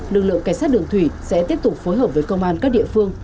lực lượng cảnh sát đường thủy sẽ tiếp tục phối hợp với công an các địa phương